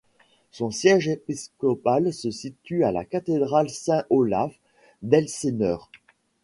Son siège épiscopal se situe à la cathédrale Saint-Olaf d'Elseneur.